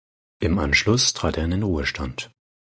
Im Anschluss trat er in den Ruhestand.